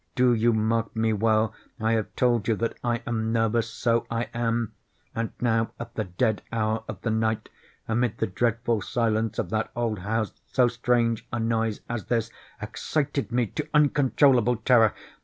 —do you mark me well? I have told you that I am nervous: so I am. And now at the dead hour of the night, amid the dreadful silence of that old house, so strange a noise as this excited me to uncontrollable terror.